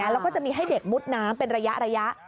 แล้วก็จะมีให้เด็กมุดน้ำเป็นระยะ